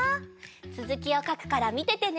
つづきをかくからみててね！